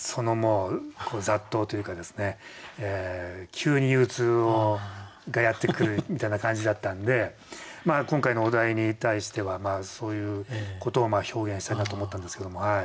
急に憂鬱がやって来るみたいな感じだったんで今回のお題に対してはそういうことを表現したいなと思ったんですけども。